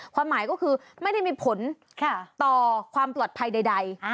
ความหมายก็คือไม่ได้มีผลต่อความปลอดภัยใด